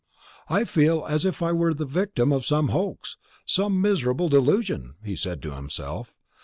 "I feel as if I were the victim of some hoax, some miserable delusion," he said to himself.